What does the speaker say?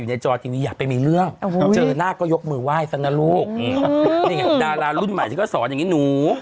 ลูกมือไหว่ซะล่ะลูกดารารุ่นใหม่พี่ก็สอนอย่างนี้หนู